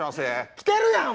来てるやんもう！